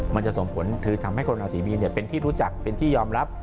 มันจะส่งผลคือทำให้คนราศีมีนเป็นที่รู้จักเป็นที่ยอมรับ